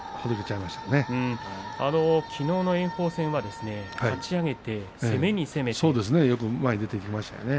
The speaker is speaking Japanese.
きのうの炎鵬戦はかち上げて攻めに攻めましたね。